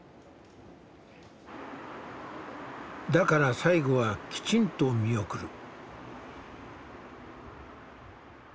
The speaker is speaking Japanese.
だから最期はきちんと見送る。